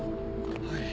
はい。